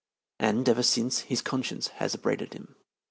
And ever since his conscience has upbraided him.